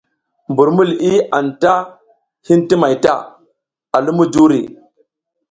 Mbur mi liʼi anta hin ti may ta, a lum mujuri.